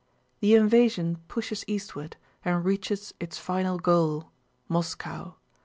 The invasion pushes eastward and reaches its final goal—Moscow.